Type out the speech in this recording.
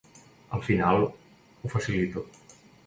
Al final ho facilito.